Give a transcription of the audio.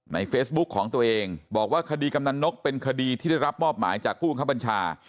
เฟซบุ๊กของตัวเองบอกว่าคดีกำนันนกเป็นคดีที่ได้รับมอบหมายจากผู้บังคับบัญชา